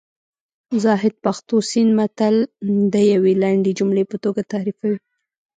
زاهد پښتو سیند متل د یوې لنډې جملې په توګه تعریفوي